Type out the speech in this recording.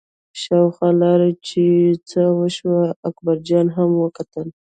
شاوخوا لاړه چې څه وشول، اکبرجان هم وکتل.